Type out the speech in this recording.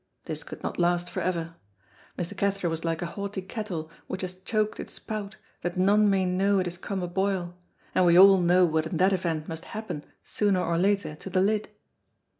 This could not last forever. Mr. Cathro was like a haughty kettle which has choked its spout that none may know it has come a boil, and we all know what in that event must happen sooner or later to the lid.